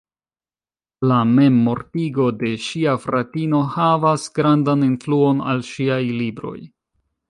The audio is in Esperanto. La memmortigo de ŝia fratino havas grandan influon al ŝiaj libroj.